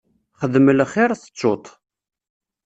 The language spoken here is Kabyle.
Xdem lxir, tettuḍ-t.